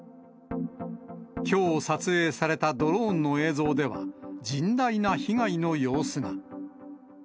きょう撮影されたドローンの映像では、甚大な被害の様子が。